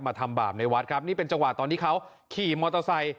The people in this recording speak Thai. ทำบาปในวัดครับนี่เป็นจังหวะตอนที่เขาขี่มอเตอร์ไซค์